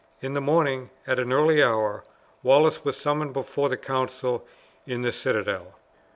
In the morning, at an early hour, Wallace was summoned before the council in the citadel.